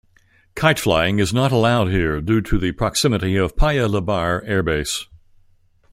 Kite flying is not allowed here due to the proximity of Paya Lebar Airbase.